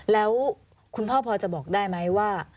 แล้วคุณพ่อพอจะบอกได้ไหมว่า